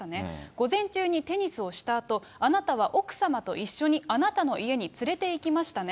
午前中にテニスをしたあと、あなたは奥様と一緒にあなたの家に連れていきましたね。